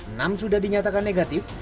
enam sudah dinyatakan negatif